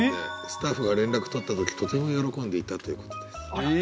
スタッフが連絡取った時とても喜んでいたということです。